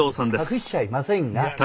隠しちゃいませんが。